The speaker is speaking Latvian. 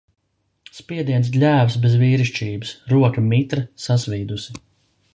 Spiediens gļēvs bez vīrišķības, roka mitra sasvīdusi.